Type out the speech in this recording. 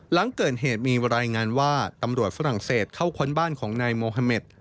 หลังเกิดเหตุมีรายงานว่าตำรวจฝรั่งเศสเข้าค้นบ้านของนายโมฮาเมด